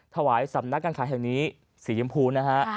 ถวายสำนักการขายแห่งนี้สียำพูนะฮะ